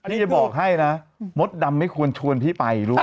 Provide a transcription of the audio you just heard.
พี่จะบอกให้นะมดดำไม่ควรชวนพี่ไปด้วย